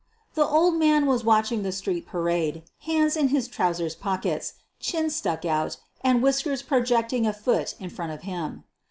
The old man was watching the street parade, hands in his trousers pockets, chin stuck out, and whiskers projecting a foot in front of him.